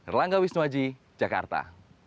relangga wisnuwaji jakarta